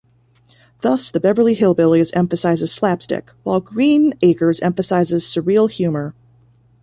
Thus "The Beverly Hillbillies" emphasizes slapstick, while "Green Acres" emphasizes surreal humor.